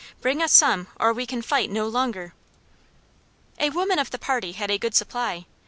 Bring us some, or we can fight no longer." A woman of the party had a good supply.